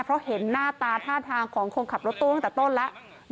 เพราะเห็นหน้าตาท่าทางของคนขับรถตู้ตั้งแต่ต้นแล้ว